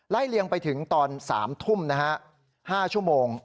ไล่เลี่ยงไปถึงตอน๓ทุ่ม๕ชั่วโมง